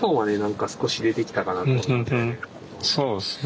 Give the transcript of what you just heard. そうですね。